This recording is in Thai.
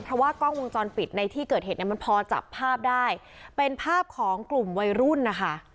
เพราะว่ากล้องวงจรปิดในที่เกิดเหตุเนี่ยมันพอจับภาพได้เป็นภาพของกลุ่มวัยรุ่นนะคะ